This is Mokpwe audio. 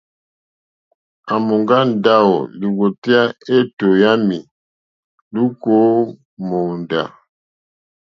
À mòŋgá ndáwò lìwòtéyá éètó yǎmì lùúkà ó mòóndá.